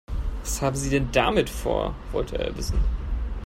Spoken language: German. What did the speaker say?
"Was haben Sie denn damit vor?", wollte er wissen.